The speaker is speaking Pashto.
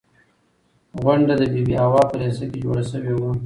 غونډه د بي بي حوا په لېسه کې جوړه شوې وه.